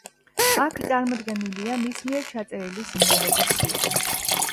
აქ წარმოდგენილია მის მიერ ჩაწერილი სიმღერების სია.